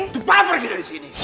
cepat pergi dari sini